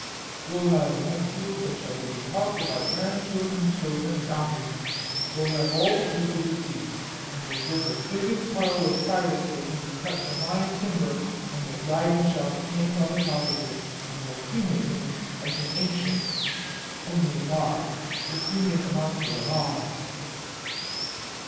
"We'll have a nuptials that shall be the talk of our grandchildren's children, and after them. We'll have all the people to see. And we'll build the biggest pile of fagots that can be cut from my timber, and the Dragon shall be chained on the top of it, and we'll cremate him like an Ancient, only alive! We'll cremate the monster alive!"